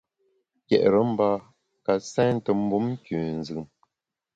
Ke’re mbâ ka sente mbum nkünzùm.